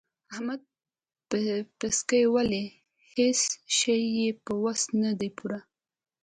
احمد پسکۍ ولي؛ هيڅ شی يې په وس نه دی پوره.